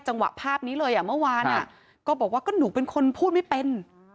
จังหวะภาพนี้เลยอ่ะเมื่อวานก็บอกว่าก็หนูเป็นคนพูดไม่เป็น